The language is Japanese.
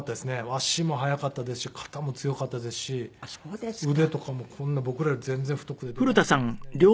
足も速かったですし肩も強かったですし腕とかもこんな僕らより全然太くてでかくてですね